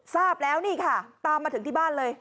ทราบแล้วนี่ค่ะตามมาถึงที่บ้านเลย